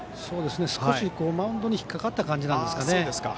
少しマウンドに引っかかった感じですかね。